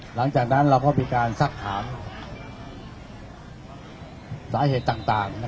หลังจากนั้นเราก็มีการซักถามสาเหตุต่าง